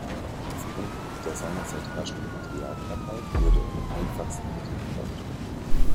Aufgrund der seinerzeit herrschenden Materialknappheit wurde er mit einfachsten Mitteln gebaut.